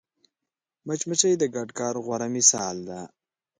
مچمچۍ د ګډ کار غوره مثال ده